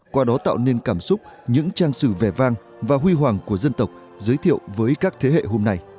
qua đó tạo nên cảm xúc những trang sử vẻ vang và huy hoàng của dân tộc giới thiệu với các thế hệ hôm nay